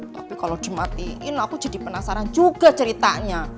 tapi kalau dimatiin aku jadi penasaran juga ceritanya